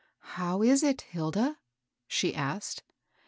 " How is it, Hilda ?" she asked.